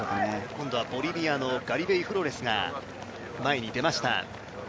今度はボリビアのガリベイ・フロレスが前に出ました。